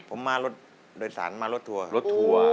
ผมมาโดยสารมารถทัวร์ครับ